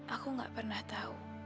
aku gak pernah tahu